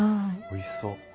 おいしそう。